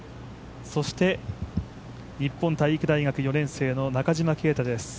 そして日本体育大学４年生の中島啓太です。